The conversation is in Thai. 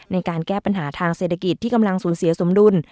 ในการแก้ปัญหาทางเศรษฐกิจที่กำลังสูญเสียสมดุล